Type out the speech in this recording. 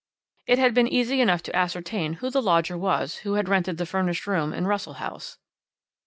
It had been easy enough to ascertain who the lodger was who had rented the furnished room in Russell House.